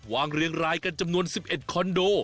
เรียงรายกันจำนวน๑๑คอนโด